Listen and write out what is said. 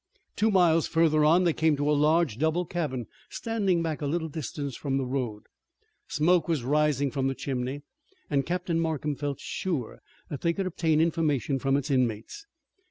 Two miles further on they came to a large, double cabin standing back a little distance from the road. Smoke was rising from the chimney, and Captain Markham felt sure that they could obtain information from its inmates.